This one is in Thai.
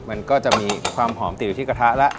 มันก็จะมีความหอมติดอยู่ที่กระทะแล้ว